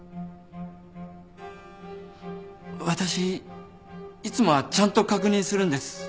私いつもはちゃんと確認するんです。